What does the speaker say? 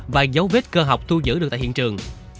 và dấu vết cơ học thu giữ được tại hiện trường